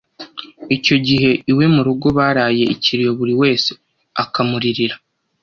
icyo gihe iwe mu rugo baraye ikiriyo buri wese akamuririra